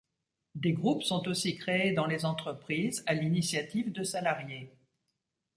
Des groupes sont aussi créés dans les entreprises à l’initiative de salariés.